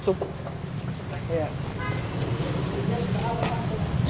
ini udah nggak bisa dipakai